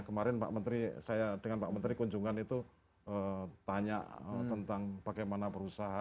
kemarin pak menteri saya dengan pak menteri kunjungan itu tanya tentang bagaimana perusahaan